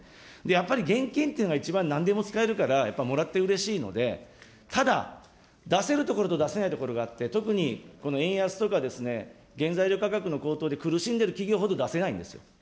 やっぱり現金というのが一番なんでも使えるから、やっぱりもらってうれしいので、ただ、出せるところと出せないところがあって、特に、この円安とか原材料価格の高騰で苦しんでいる企業ほど出せないんですよ。